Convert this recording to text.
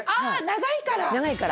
長いから。